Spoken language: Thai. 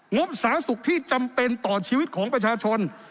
บสาธารณสุขที่จำเป็นต่อชีวิตของประชาชน